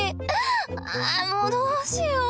ああもうどうしよう！